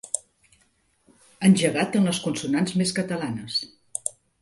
Engegat en les consonants més catalanes.